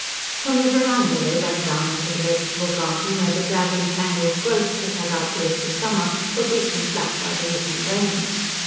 From the verandah they went down into the vegetable garden, where the drab and tangled growths that had outlived the summer were beaten flat by the recent rains.